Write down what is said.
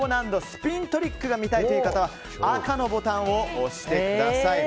スピントリックが見たいという方は赤のボタンを押してください。